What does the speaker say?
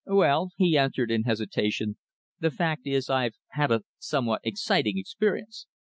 "Well," he answered in hesitation, "the fact is, I've had a somewhat exciting experience."